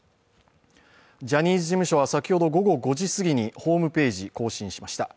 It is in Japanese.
ジャニーズ事務所は先ほど午後５時過ぎにホームページを更新しました。